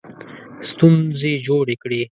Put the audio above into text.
ستونزې جوړې کړې.